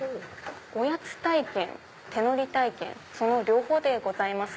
おやつ体験手のり体験その両方でございます。